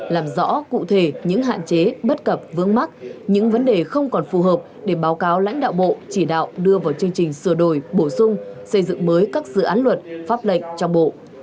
làm rõ cụ thể những hạn chế bất cập vướng mắc những vấn đề không còn phù hợp để báo cáo lãnh đạo bộ chỉ đạo đưa vào chương trình sửa đổi bổ sung xây dựng mới các dự án luật pháp lệnh trong bộ